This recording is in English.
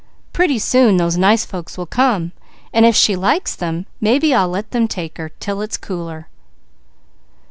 Pretty soon those nice folks will come, and if she likes them, maybe I'll let them take her 'til it's cooler."